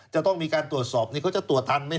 จะต้องมีการตรวจสอบนี่เขาจะตรวจทันไหม